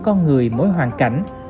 con người mỗi hoàn cảnh